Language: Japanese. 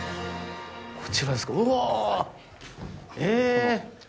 こちらですか。